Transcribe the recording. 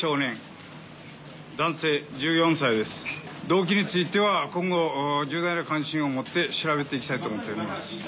・動機については今後重大な関心を持って調べて行きたいと思っております。